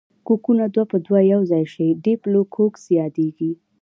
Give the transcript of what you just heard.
کوکونه دوه په دوه یوځای شي ډیپلو کوکس یادیږي.